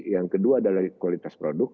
yang kedua adalah kualitas produk